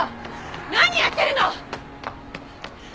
何やってるの！